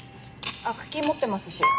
アクキー持ってますし。